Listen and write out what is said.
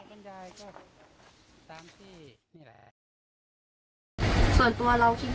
ส่วนตัวเราคิดว่าแบบว่าเนี่ย